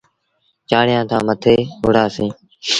چآڙيآن تآن مٿي وُهڙآ سيٚݩ۔